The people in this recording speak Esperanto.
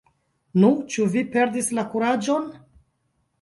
Nu, ĉu vi perdis la kuraĝon?